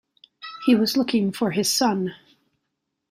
He was looking for his son.